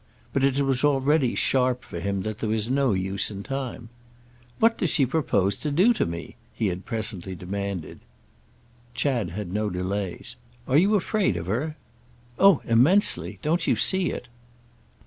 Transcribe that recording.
But it was already sharp for him that there was no use in time. "What does she propose to do to me?" he had presently demanded. Chad had no delays. "Are you afraid of her?" "Oh immensely. Don't you see it?"